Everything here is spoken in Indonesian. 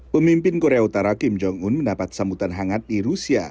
pemimpin korea utara kim jong un mendapat sambutan hangat di rusia